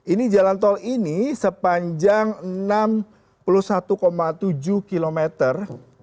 ini jalan tol ini sepanjang enam puluh satu tujuh kilometer